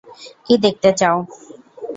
কী দেখতে চাও?